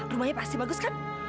rumahnya pasti bagus kan